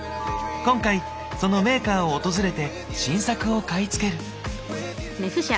今回そのメーカーを訪れて新作を買い付ける。